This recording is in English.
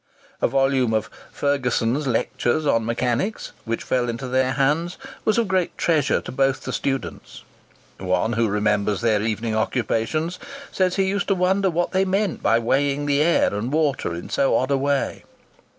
A volume of 'Ferguson's Lectures on Mechanics,' which fell into their hands, was a great treasure to both the students. One who remembers their evening occupations says he used to wonder what they meant by weighing the air and water in so odd a way.